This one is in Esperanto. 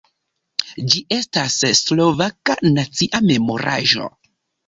Ĝi estas slovaka nacia memoraĵo.